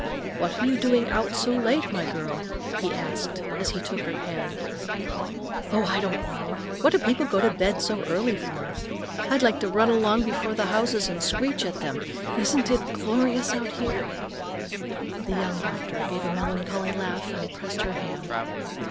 "What are you doing out so late, my girl?" he asked as he took her hand. "Oh, I don't know. What do people go to bed so early for? I'd like to run along before the houses and screech at them. Isn't it glorious out here?" The young doctor gave a melancholy laugh and pressed her hand.